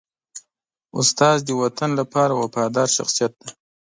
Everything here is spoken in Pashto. استاد د وطن لپاره وفادار شخصیت دی.